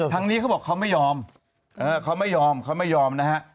ทางนี้เขาบอกเขาไม่ยอมเขาไม่ยอมเขาไม่ยอมนะฮะ